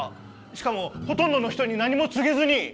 しかもほとんどの人に何も告げずに！